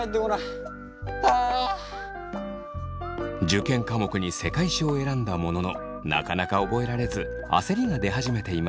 受験科目に世界史を選んだもののなかなか覚えられず焦りが出始めていました。